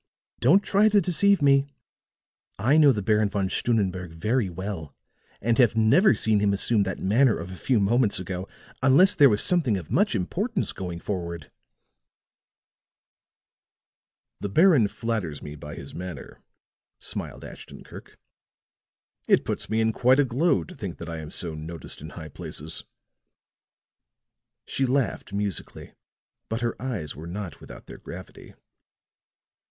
Don't try to deceive me. I know the Baron Von Stunnenberg very well, and have never seen him assume that manner of a few moments ago unless there was something of much importance going forward." "The Baron flatters me by his manner," smiled Ashton Kirk. "It puts me in quite a glow to think that I am so noticed in high places." She laughed musically; but her eyes were not without their gravity.